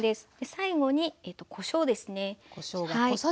最後にこしょうですね。